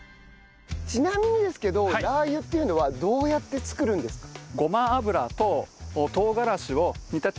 ちなみにですけどラー油っていうのはどうやって作るんですか？